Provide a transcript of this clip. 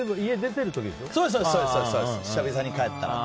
久々に帰ったら。